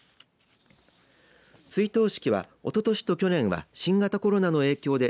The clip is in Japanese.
追悼式は、おととしと去年は新型コロナの影響で